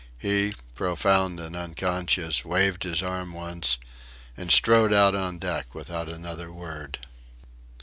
He, profound and unconscious, waved his arm once, and strode out on deck without another word.